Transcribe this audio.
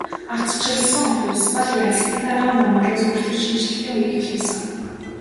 Ардчилсан хувьсгал ялсны дараагаас Монгол улс өөрчлөлт шинэчлэлтийн үеийг эхлүүлсэн.